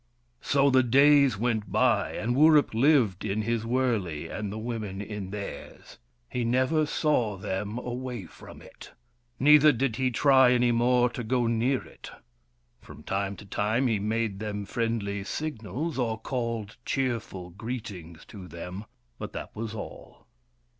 So the days went by, and Wurip lived in his wurley, and the women in theirs. He never saw them away from it. Neither did he try any more to go near it. From time to time he made them friendly signals, or called cheerful greetings to them, but that was all.